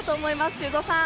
修造さん。